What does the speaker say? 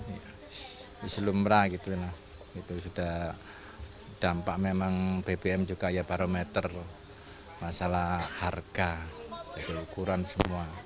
ini selumra gitu sudah dampak memang bbm juga ya barometer masalah harga jadi ukuran semua